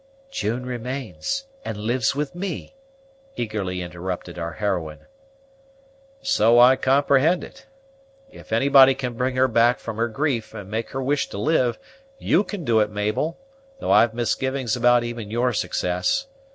"June remains, and lives with me," eagerly interrupted our heroine. "So I comprehend it. If anybody can bring her back from her grief, and make her wish to live, you can do it, Mabel; though I've misgivings about even your success.